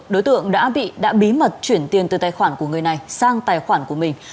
đối tượng đã bị đã bí mật chuyển tiền từ tài khoản của người này sang tài khoản của mình